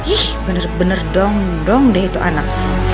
ih bener bener dong dong deh itu anak